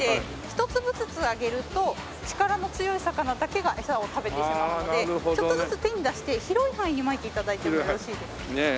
ひと粒ずつあげると力の強い魚だけが餌を食べてしまうのでちょっとずつ手に出して広い範囲にまいて頂いてもよろしいですか？